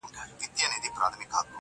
o څه مور لنگه، څه ترور لنگه!